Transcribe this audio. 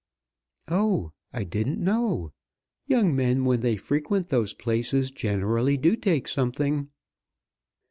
"Oh; I didn't know. Young men when they frequent those places generally do take something."